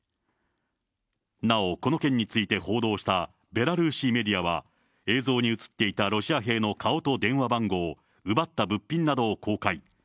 なお、この件について報道したベラルーシメディアは、映像に写っていたロシア兵の顔と電話番号、奪った物品などを公開。